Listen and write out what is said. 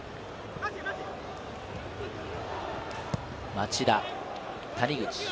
町田、谷口。